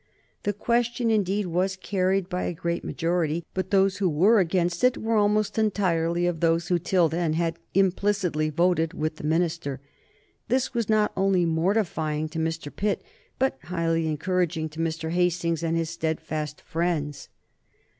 "The question indeed was carried by a great majority, but those who were against it were almost entirely of those who till then had implicitly voted with the minister. This was not only mortifying to Mr. Pitt, but highly encouraging to Mr. Hastings and his steadfast friends."